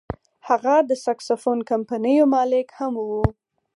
هغه د ساکسوفون کمپنیو مالک هم و.